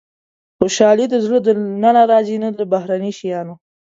• خوشالي د زړه له دننه راځي، نه له بهرني شیانو.